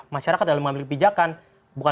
masyarakat dalam mengambil kebijakan bukan